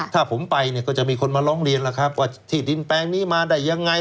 ถ้าผมไปเนี่ยจะมีคนมาล้องเรียนว่าที่ดินแป๊งนี้มาได้ยังไง